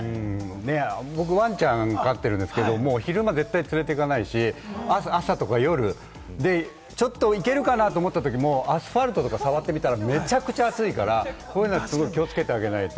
僕、わんちゃん飼ってるんですけれども、昼間は絶対連れて行かないし、朝や夜、ちょっと行けるかな？と思ったときも、アスファルトとか触ってみたらめちゃくちゃ熱いから、気をつけてあげないと。